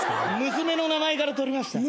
娘の名前から取りました。